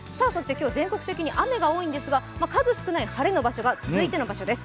今日は全国的に雨が多いんですが数少ない晴れの場所が続いての場所です。